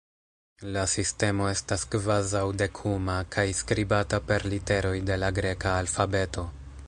La sistemo estas kvazaŭ-dekuma kaj skribata per literoj de la greka alfabeto.